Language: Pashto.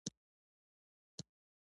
د یو سېلاب زیاتوالی راشي.